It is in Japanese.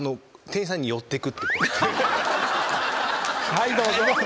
「はいどうぞ」